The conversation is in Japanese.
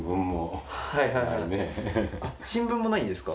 新聞もないんですか。